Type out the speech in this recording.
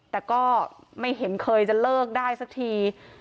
แต่ก็ไม่เห็นเคยจะเลิกได้สักที